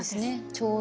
ちょうど。